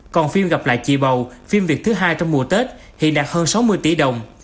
còn phim gặp lại chị bầu phim việt thứ hai trong mùa tết hiện đạt hơn sáu mươi tỷ đồng